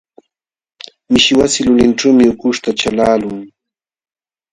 Mishi wasi lulinćhuumi ukuśhta chalaqlun.